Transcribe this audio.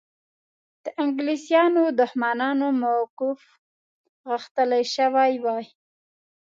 د انګلیسیانو دښمنانو موقف غښتلی شوی وای.